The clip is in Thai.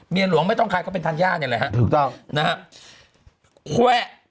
เมียหลวงไม่ต้องใครก็เป็นท่านย่านี่แหละ